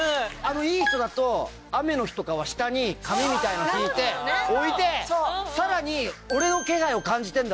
いい人だと雨の日とかは下に紙みたいなの敷いて置いてさらに俺の気配を感じてんだろうね。